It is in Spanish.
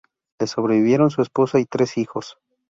Le sobrevivieron su esposa y tres hijos.